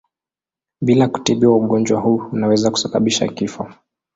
Bila kutibiwa ugonjwa huu unaweza kusababisha kifo.